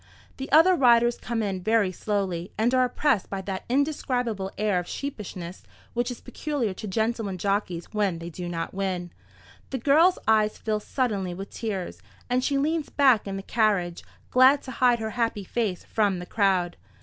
The other riders come in very slowly, and are oppressed by that indescribable air of sheepishness which is peculiar to gentleman jockeys when they do not win. The girl's eyes fill suddenly with tears, and she leans back in the carriage, glad to hide her happy face from the crowd.